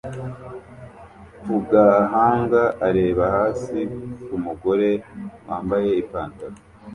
ku gahanga areba hasi ku mugore wambaye ipantaro